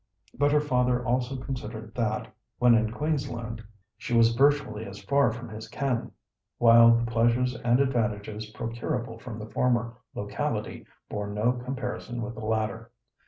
But her father also considered that, when in Queensland, she was virtually as far from his ken, while the pleasures and advantages procurable from the former locality bore no comparison with the latter.